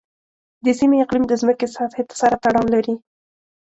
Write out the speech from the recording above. د سیمې اقلیم د ځمکې سطحې سره تړاو لري.